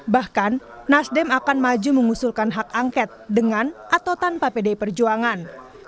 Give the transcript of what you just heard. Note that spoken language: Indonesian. bahkan nasdem akan maju mengusulkan hak angket dengan atau tanpa pdi perjuangan